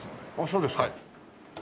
そうですか。